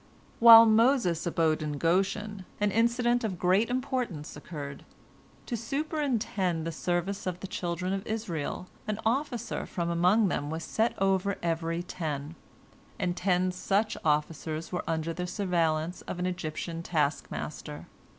While Moses abode in Goshen, an incident of great importance occurred. To superintend the service of the children of Israel, an officer from among them was set over every ten, and ten such officers were under the surveillance of an Egyptian taskmaster.